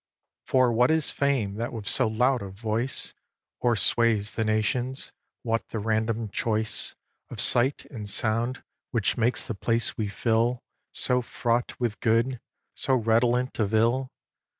iii. For what is fame that with so loud a voice O'ersways the nations? What the random choice Of sight and sound which makes the place we fill So fraught with good, so redolent of ill?